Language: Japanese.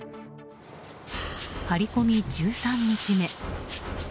張り込み１３日目。